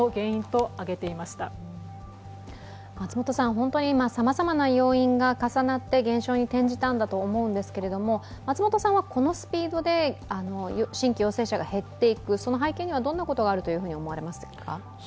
本当にさまざまな要因が重なって減少に転じたんだと思うんですけれどもこのスピードで新規陽性者が減っていく、その背景には、どんなことがあると思われますか。